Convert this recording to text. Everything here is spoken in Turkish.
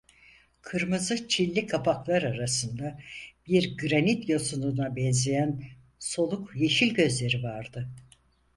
Kırmızı çilli kapaklar arasında, bir granit yosununa benzeyen soluk yeşil gözleri vardı.